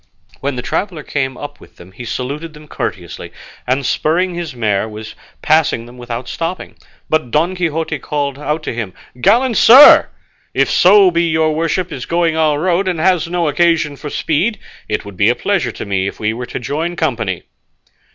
When the traveller came up with them he saluted them courteously, and spurring his mare was passing them without stopping, but Don Quixote called out to him, "Gallant sir, if so be your worship is going our road, and has no occasion for speed, it would be a pleasure to me if we were to join company."